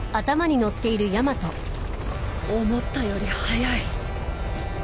思ったより早い。